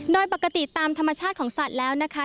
โดยปกติตามธรรมชาติของสัตว์แล้วนะคะ